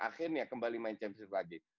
akhirnya kembali main champions lagi